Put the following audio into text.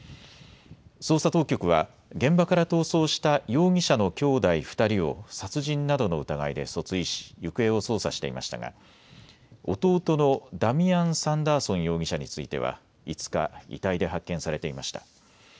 捜査当局は現場から逃走した容疑者の兄弟２人を殺人などの疑いで訴追し行方を捜査していましたが、弟のダミアン・サンダーソン容疑者については５日、遺体で発見されていました。